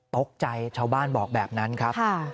ตกใจชาวบ้านบอกแบบนั้นครับ